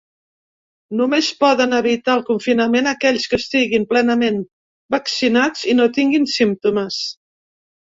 Només poden evitar el confinament aquells que estiguin plenament vaccinats i no tinguin símptomes.